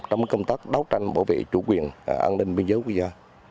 trong công tác đấu tranh bảo vệ chủ quyền an ninh biên giới quốc gia